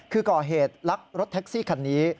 คือก่อเหตุลักรถแท็กซี่คันนี้